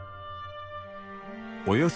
およそ